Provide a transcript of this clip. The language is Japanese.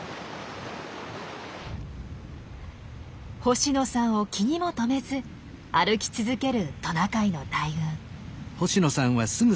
星野さんを気にも留めず歩き続けるトナカイの大群。